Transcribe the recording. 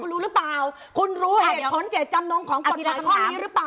คุณรู้หรือเปล่าคุณรู้เหตุผลเจตจำนงของกฎหมายข้อนี้หรือเปล่า